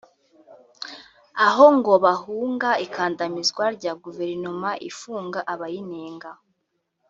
aho ngo bahunga ikandamizwa rya guverinoma ifunga abayinenga